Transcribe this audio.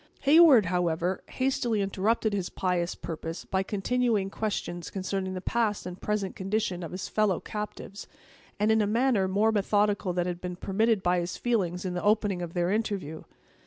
Heyward, however, hastily interrupted his pious purpose by continuing questions concerning the past and present condition of his fellow captives, and in a manner more methodical than had been permitted by his feelings in the opening of their interview.